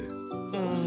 うん。